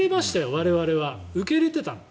我々は受け入れてた。